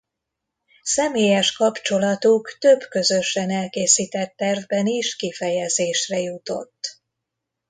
Személyes kapcsolatuk több közösen elkészített tervben is kifejezésre jutott.